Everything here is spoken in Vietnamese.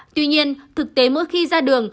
tuy nhiên thực tế mỗi khi ra đường